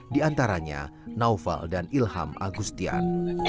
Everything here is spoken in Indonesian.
diantaranya naufal dan ilham agustian